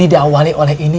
ini diawali oleh ini